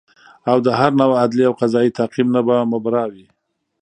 او د هر نوع عدلي او قضایي تعقیب نه به مبرا وي